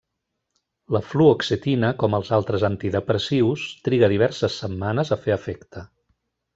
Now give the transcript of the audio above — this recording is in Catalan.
La fluoxetina, com els altres antidepressius, triga diverses setmanes a fer efecte.